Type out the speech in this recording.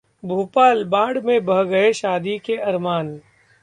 भोपाल: बाढ़ में बह गए शादी के अरमान